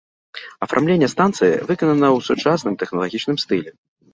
Афармленне станцыі выканана ў сучасным тэхналагічным стылі.